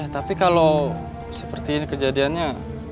tapi kalau seperti ini kejadiannya